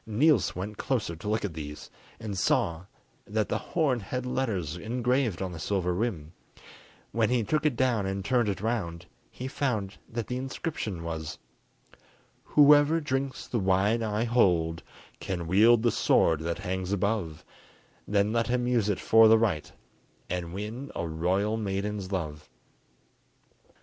Niels went closer to look at these, and saw that the horn had letters engraved on the silver rim: when he took it down and turned it round, he found that the inscription was:— Whoever drinks the wine I hold Can wield the sword that hangs above; Then let him use it for the right, And win a royal maiden's love.